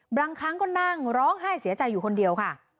บางครั้งก็นั่งร้องไห้เสียใจอยู่คนเดียวค่ะ